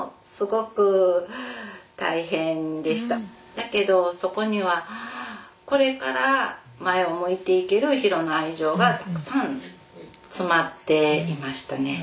だけどそこにはこれから前を向いていけるヒロの愛情がたくさん詰まっていましたね。